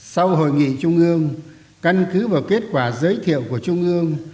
sau hội nghị trung ương căn cứ vào kết quả giới thiệu của trung ương